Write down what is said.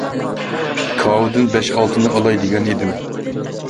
كاۋىدىن بەش-ئالتىنى ئالاي دېگەن ئىدىم.